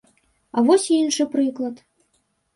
А вось іншы прыклад.